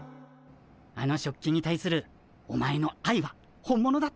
あの食器に対するお前のあいは本物だった。